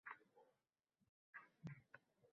Aftidan bogʻbon biror ishga mashgʻu.